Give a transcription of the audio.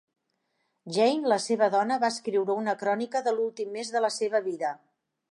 Jane, la seva dona, va escriure una crònica de l'últim mes de la seva vida.